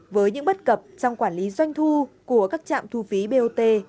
với những bất cập trong quản lý doanh thu của các trạm thu phí bot